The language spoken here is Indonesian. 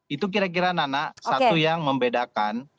itu kira kira nana satu yang membedakan